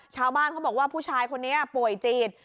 ชาวบ้านเขาบอกว่าผู้ชายคนนี้ป่วยจิต